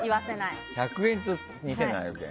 １００円と２７００円。